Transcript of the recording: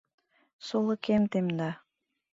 — Сулыкем темда...